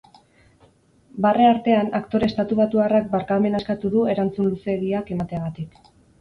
Barre artean, aktore estatubatuarrak barkamena eskatu du erantzun luzeegiak emateagatik.